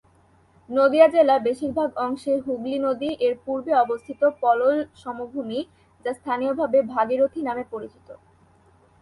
নদীয়া জেলা বেশিরভাগ অংশে হুগলি নদী এর পূর্বে অবস্থিত পলল সমভূমি, যা স্থানীয়ভাবে ভাগীরথী নামে পরিচিত।